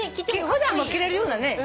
普段も着れるようなね。